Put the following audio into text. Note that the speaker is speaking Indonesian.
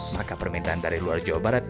maka permintaan dari luar jawa barat